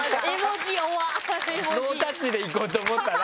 ノータッチでいこうと思ったら